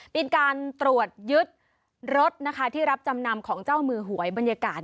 เป็นการตรวจยึดรถนะคะที่รับจำนำของเจ้ามือหวยบรรยากาศ